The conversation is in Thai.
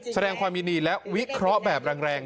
แสดงความยินดีและวิเคราะห์แบบแรง